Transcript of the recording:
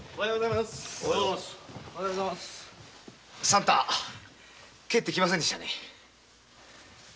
三太帰って来ませんでしたね。